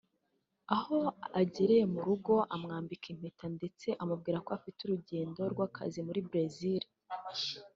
Aho ahagereye mu rugo amwambika impeta ndetse amubwira ko afite urugendo rw’akazi muri Bresil